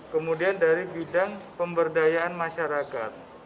kemudian dari bidang pemberdayaan masyarakat